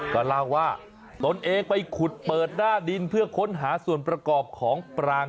ก็เล่าว่าตนเองไปขุดเปิดหน้าดินเพื่อค้นหาส่วนประกอบของปราง